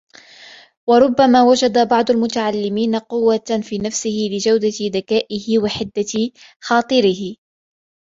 وَرُبَّمَا وَجَدَ بَعْضُ الْمُتَعَلِّمِينَ قُوَّةً فِي نَفْسِهِ لِجَوْدَةِ ذَكَائِهِ وَحِدَةِ خَاطِرِهِ